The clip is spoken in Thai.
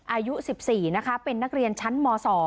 อายุ๑๔นะคะเป็นนักเรียนชั้นม๒